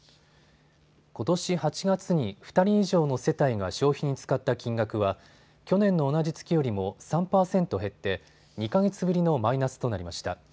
ことし８月に２人以上の世帯が消費に使った金額は去年の同じ月よりも３％減って２か月ぶりのマイナスとなりました。